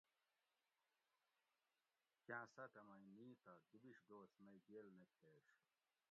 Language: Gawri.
کاں ساتہ مئ نیتہ دوبیش دوس مئ گیل نہ کھیش